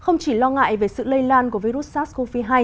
không chỉ lo ngại về sự lây lan của virus sars cov hai